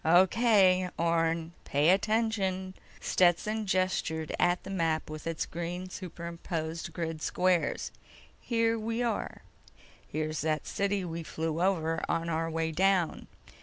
"O.K., Orne, pay attention." Stetson gestured at the map with its green superimposed grid squares. "Here we are. Here's that city we flew over on our way down.